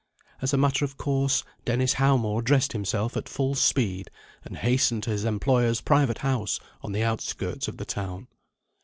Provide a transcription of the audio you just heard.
As a matter of course, Dennis Howmore dressed himself at full speed, and hastened to his employer's private house on the outskirts of the town.